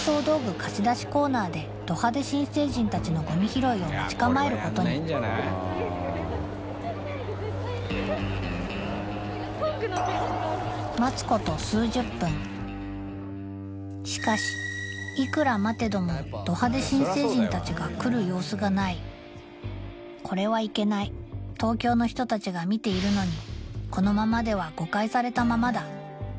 貸し出しコーナーでド派手新成人たちのゴミ拾いを待ち構えることにしかしいくら待てどもド派手新成人たちが来る様子がないこれはいけない東京の人たちが見ているのにこのままでは誤解されたままだ